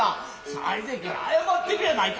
最前から謝ってるやないか。